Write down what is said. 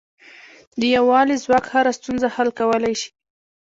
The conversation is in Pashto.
د یووالي ځواک هره ستونزه حل کولای شي.